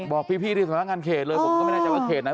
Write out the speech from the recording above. บอกพี่ที่สำนักงานเขตเลยผมก็ไม่แน่ใจว่าเขตไหน